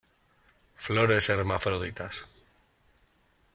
Flores hermafroditas.